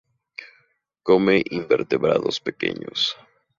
Come invertebrados pequeños.